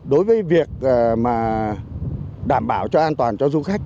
đối với việc đảm bảo cho an toàn cho du khách